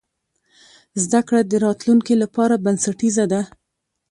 زده کړه د راتلونکي لپاره بنسټیزه ده.